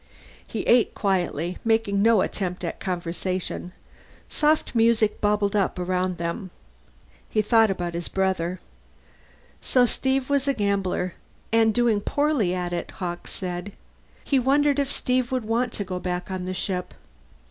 He ate quietly, making no attempt at conversation. Soft music bubbled up around them. He thought about his brother. So Steve was a gambler! And doing poorly at it, Hawkes said. He wondered if Steve would want to go back on the ship.